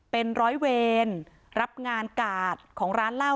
เป็นร้อยเวรรับงานกาดของร้านเหล้า